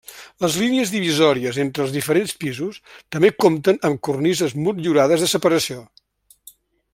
Les línies divisòries entre els diferents pisos també compten amb cornises motllurades de separació.